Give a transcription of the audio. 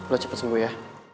lo cepet sembuh ya